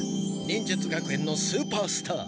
忍術学園のスーパースター！